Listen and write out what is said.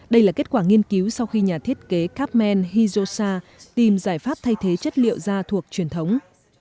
đây là kết quả nghiên cứu sau khi nhà thiết kế capmen hizosa tìm giải pháp thay thế chất liệu da thuộc truyền thống